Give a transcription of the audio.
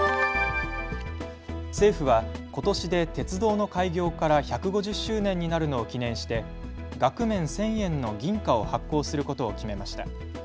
政府はことしで鉄道の開業から１５０周年になるのを記念して額面１０００円の銀貨を発行することを決めました。